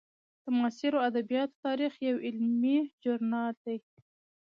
د معاصرو ادبیاتو تاریخ یو علمي ژورنال دی.